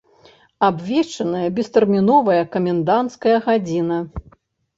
Абвешчаная бестэрміновая каменданцкая гадзіна.